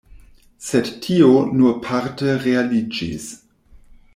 Sed tio nur parte realiĝis.